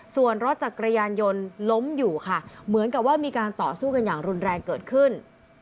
ส่วนรถจักรยานยนต์ล้มอยู่ค่ะเหมือนกับว่ามีการต่อสู้กันอย่างรุนแรงเกิดขึ้น